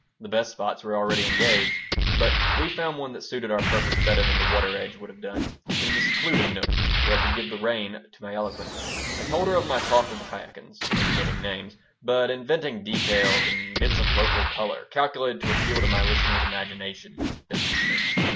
The best spots were already engaged, but we found one that suited our purpose better than the water edge would have done. It was a secluded nook where I could give the rein to my eloquence I told her of my talk with the Chaikins, omitting names, but inventing details and bits of "local color" calculated to appeal to my listener's imagination and business sense.